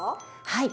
はい。